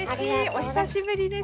お久しぶりです。